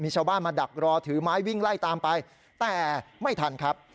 ชาวบ้านมาดักรอถือไม้วิ่งไล่ตามไปแต่ไม่ทันครับ